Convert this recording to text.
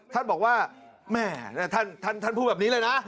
ท่านบอกว่าแม่ท่านพูดแบบนี้เลยนะ